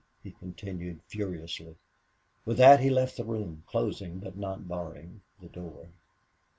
he continued, furiously. With that he left the room, closing but not barring the door.